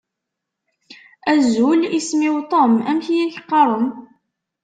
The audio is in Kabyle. Azul, isem-iw Tom. Amek i ak-qqaṛen?